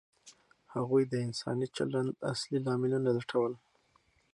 هغوی د انساني چلند اصلي لاملونه لټول.